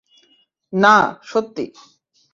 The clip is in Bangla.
না, সত্যি।